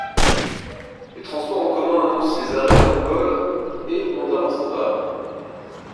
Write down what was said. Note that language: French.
Les transports en commun annoncent les arrêts en mongol et mandarin standard.